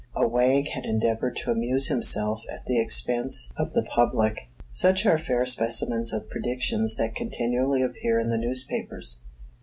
A wag had endeavored to amuse himself at the expense of the public. Such are fair specimens of predictions that continually appear in the newspapers.